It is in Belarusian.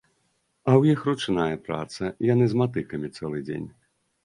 А ў іх ручная праца, яны з матыкамі цэлы дзень.